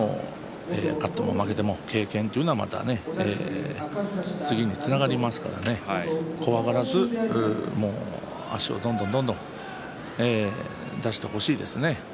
経験というのは、またね次につながりますから怖がらず足をどんどんどんどん出してほしいですね。